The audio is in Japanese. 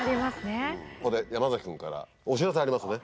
ここで山君からお知らせがありますね。